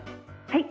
はい。